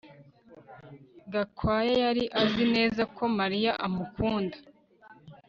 Gakwaya yari azi neza ko Mariya amukunda